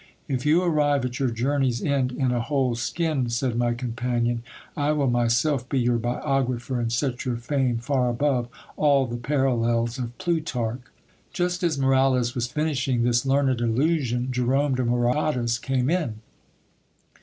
If you arrive at your journey's end in a whole skin, said my companion, I will myself be your biographer, and set your fame far above all the parallels of Plutarch. Just as Moralez was finishing this learned allusion, Jerome de Moyadas came in.